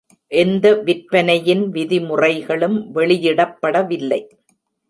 எந்த விற்பனையின் விதிமுறைகளும் வெளியிடப்படவில்லை.